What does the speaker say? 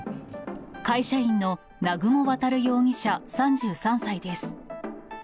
会社員の南雲航容疑者３３歳です。